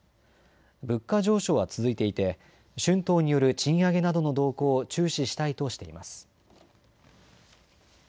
物価上昇は続いていて春闘による賃上げなどの動向を注視したいとしています。